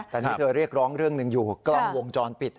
แต่นี่เธอเรียกร้องเรื่องหนึ่งอยู่กล้องวงจรปิด